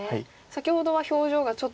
先ほどは表情がちょっと。